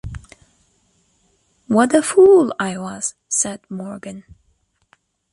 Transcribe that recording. "What a fool I was," said Morgan.